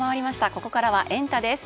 ここからはエンタ！です。